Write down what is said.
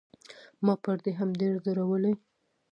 ما پر دې هم ډېر زورولی.